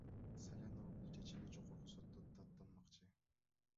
Салянова бул чечимди Жогорку сотто даттанмакчы.